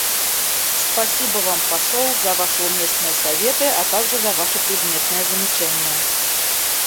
Спасибо Вам, посол, за Ваши уместные советы, а также за Ваши предметные замечания.